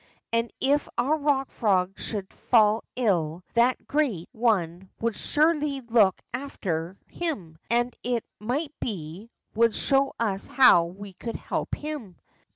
And, if our Rock Frog should fall ill, that great One would surely look after him, and, it might be, would show us how we could help him.